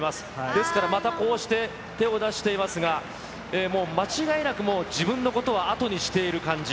ですからまたこうして手を出していますが、もう間違いなく、自分のことは後にしている感じ。